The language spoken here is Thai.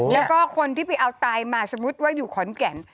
แล้วก็คนที่ไปเอาตายมาสมมุติว่าอยู่ขอนแก่น